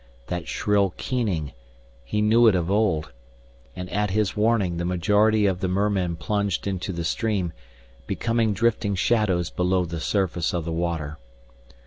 That shrill keening he knew it of old. And at his warning the majority of the mermen plunged into the stream, becoming drifting shadows below the surface of the water.